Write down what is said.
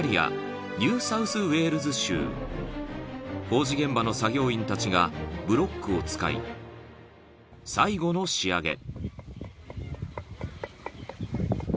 ［工事現場の作業員たちがブロックを使い最後の仕上げ］